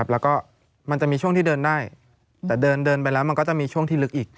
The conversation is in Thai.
แล้วก็มันจะมีช่วงที่เดินได้แต่เดินไปแล้วมันก็จะมีช่วงที่ลึกอีก